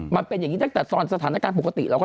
มันเป็นอย่างนี้จะตั้งแต่ฐานสถานการณ์ปกติ